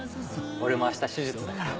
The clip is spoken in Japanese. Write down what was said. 俺も明日手術だから。